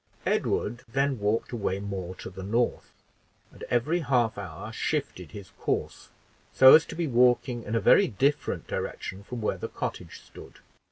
Edward then walked away more to the north, and every half hour shifted his course so as to be walking in a very different direction from where the cottage stood.